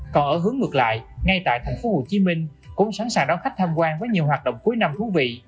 còn ở hướng ngược lại ngay tại thành phố hồ chí minh cũng sẵn sàng đón khách tham quan với nhiều hoạt động cuối năm thú vị